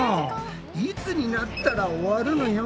いつになったら終わるのよ！